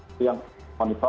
itu yang dimonitor